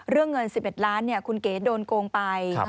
เรื่องเงิน๑๑ล้านคุณเก๋โดนโกงไป